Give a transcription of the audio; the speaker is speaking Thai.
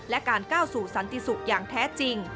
และการก้าวสู่สันติสุขอย่างแท้จริง